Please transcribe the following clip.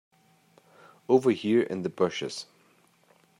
Over here in the bushes.